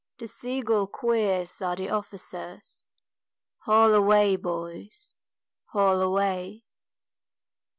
The sea gull queers Are the officeers, Haul away boys, haul away!